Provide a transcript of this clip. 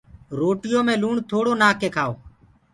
روٽيو مي لوڻ ٿوڙو نآکڪي کآئو